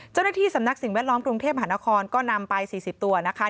เจ้าหน้าที่สำนักสิ่งแวดล้อมกรุงเทพมหานครก็นำไป๔๐ตัวนะคะ